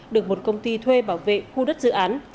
được một công ty thuê bảo vệ khu đất dự án